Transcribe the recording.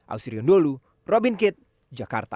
ausri undolu robin kitt jakarta